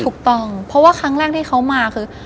ถูกต้องเพราะว่าครั้งแรกที่เขามาคือ